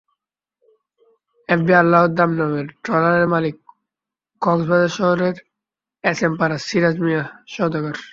FB আল্লাহর দান নামের ট্রলারের মালিক কক্সবাজার শহরের এসএমপাড়ার সিরাজ মিয়া সওদাগর।